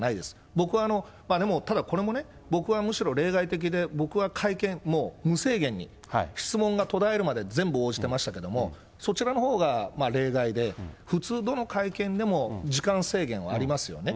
僕は、でもただ、これもね、僕はむしろ例外的で、僕は会見、もう無制限に、質問が途絶えるまで全部応じてましたけども、そちらのほうが例外で、普通どの会見でも、時間制限はありますよね。